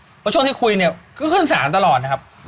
เพราะช่วงที่คุยเนี่ยก็ขึ้นสารตลอดนะครับ